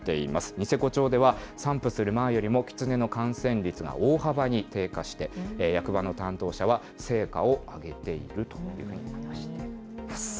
ニセコ町では、散布する前よりもキツネの感染率が大幅に低下して、役場の担当者は成果を上げているというふうに話しています。